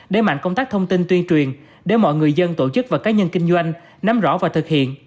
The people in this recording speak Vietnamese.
để mạnh công tác thông tin tuyên truyền để mọi người dân tổ chức và cá nhân kinh doanh nắm rõ và thực hiện